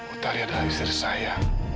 utari adalah istri saya